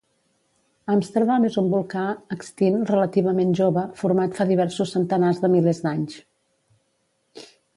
Amsterdam és un volcà extint relativament jove, format fa diversos centenars de milers d'anys.